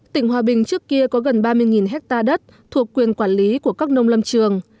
tỉnh hòa bình trước kia có gần ba mươi hectare đất thuộc quyền quản lý của các nông lâm trường